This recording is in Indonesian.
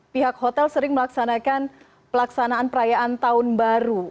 pihak hotel sering melaksanakan pelaksanaan perayaan tahun baru